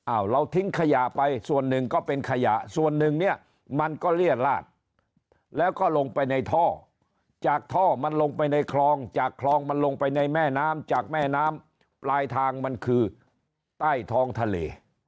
เราทิ้งขยะไปส่วนหนึ่งก็เป็นขยะส่วนหนึ่งเนี่ยมันก็เลี่ยลาดแล้วก็ลงไปในท่อจากท่อมันลงไปในคลองจากคลองมันลงไปในแม่น้ำจากแม่น้ำปลายทางมันคือใต้ท้องทะเล